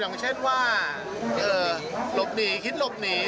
อย่างเช่นว่าหลบหนีคิดหลบหนี